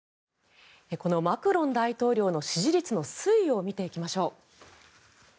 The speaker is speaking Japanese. このマクロン大統領の支持率の推移を見ていきましょう。